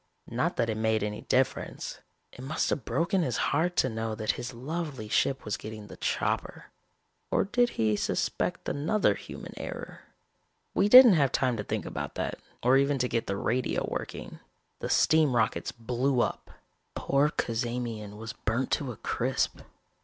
Not that it made any difference. It must have broken his heart to know that his lovely ship was getting the chopper. Or did he suspect another human error? "We didn't have time to think about that, or even to get the radio working. The steam rockets blew up. Poor Cazamian was burnt to a crisp.